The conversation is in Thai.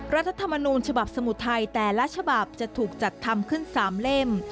รัฐธรรมนูญฉบับสมุทรไทยแต่ละฉบับจะถูกจัดทำขึ้น๓เล่ม